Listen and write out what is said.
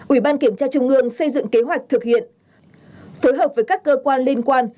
ủy ban kiểm tra trung ương xây dựng kế hoạch thực hiện phối hợp với các cơ quan liên quan